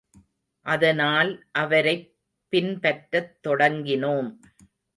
அதனால், அவரைப் பின்பற்றத் தொடங்கினோம்.